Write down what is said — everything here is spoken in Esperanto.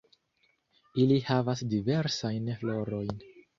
Ili havas diversajn florojn.